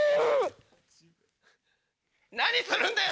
※。何するんだよ！